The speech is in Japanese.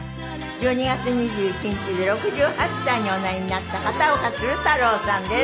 １２月２１日で６８歳におなりになった片岡鶴太郎さんです。